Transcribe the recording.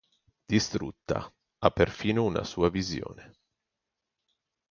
Distrutta, ha perfino una sua visione.